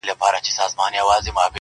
o نو شاعري څه كوي.